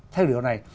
thay đổi điều này